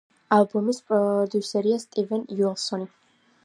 ალბომის პროდიუსერია სტივენ უილსონი.